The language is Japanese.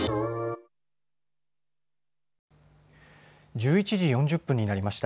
１１時４０分になりました。